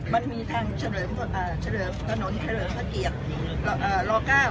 มันมีทางเฉลิมอ่าเฉลิมถนนเฉลิมภักกิจอ่ออ่ารอเกล้า